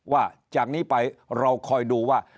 ว่าจากนี้ไปเราคอยดูว่า